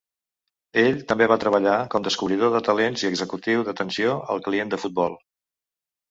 Ell també va treballar com descobridor de talents i executiu d"atenció al client de futbol.